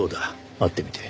会ってみて。